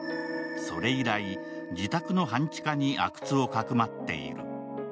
それ以来、自宅の半地下に阿久津をかくまっている。